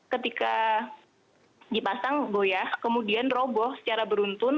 ketika dipasang goyah kemudian roboh secara beruntun